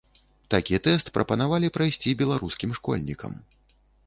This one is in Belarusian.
Такі тэст прапанавалі прайсці беларускім школьнікам.